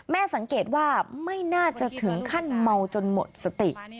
สังเกตว่าไม่น่าจะถึงขั้นเมาจนหมดสติ